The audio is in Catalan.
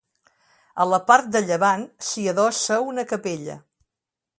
A la part de llevant s'hi adossa una capella.